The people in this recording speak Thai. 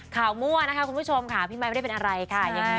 มั่วนะคะคุณผู้ชมค่ะพี่ไครไม่ได้เป็นอะไรค่ะ